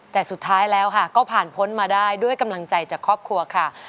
แต่สุดท้ายแล้วค่ะก็ผ่านพ้นมาได้ด้วยกำลังใจจากครอบครัวค่ะ